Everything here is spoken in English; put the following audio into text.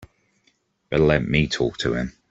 Better let me talk to him.